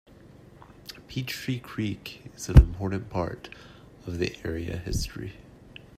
Peachtree Creek is an important part of the area history.